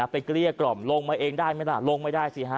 เกลี้ยกล่อมลงมาเองได้ไหมล่ะลงไม่ได้สิฮะ